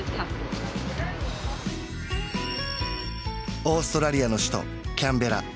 オーストラリアの首都キャンベラ